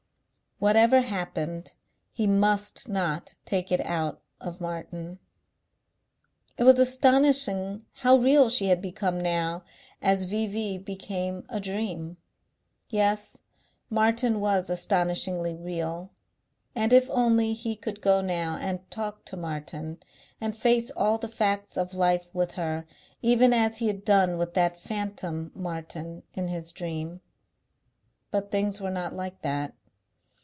Whatever happened he must not take it out of Martin. It was astonishing how real she had become now as V.V. became a dream. Yes, Martin was astonishingly real. And if only he could go now and talk to Martin and face all the facts of life with her, even as he had done with that phantom Martin in his dream.... But things were not like that.